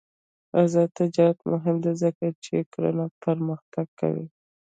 آزاد تجارت مهم دی ځکه چې کرنه پرمختګ ورکوي.